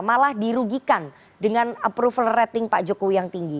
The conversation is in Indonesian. malah dirugikan dengan approval rating pak jokowi yang tinggi